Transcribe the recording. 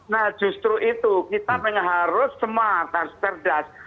nah justru itu kita harus semakas cerdas